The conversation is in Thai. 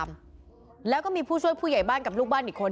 มมม